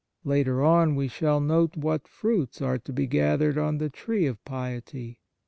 Later on, we shall note 29 On Piety what fruits are to be gathered on the tree of piety.